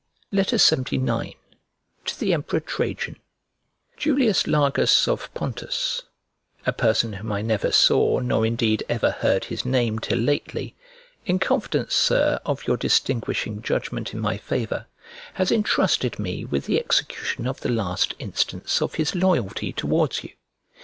LXXIX To THE EMPEROR TRAJAN JULIUS LARGUS, of Ponus (a person whom I never saw nor indeed ever heard his name till lately), in confidence, Sir, of your distinguishing judgment in my favour, has entrusted me with the execution of the last instance of his loyalty towards you.